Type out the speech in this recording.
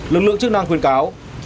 lực lượng chức năng khuyên cáo